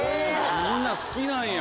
みんな好きなんや。